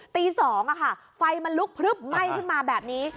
ตี๒ค่ะไฟมันลุกไหม้ขึ้นมาแบบนี้